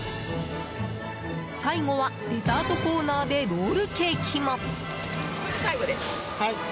最後は、デザートコーナーでロールケーキも。